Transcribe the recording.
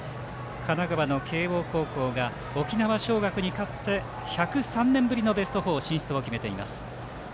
神奈川の慶応高校が沖縄尚学に勝って１０３年ぶりのベスト４進出を決めています。